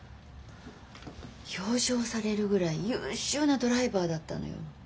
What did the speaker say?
表彰されるぐらい優秀なドライバーだったのよ。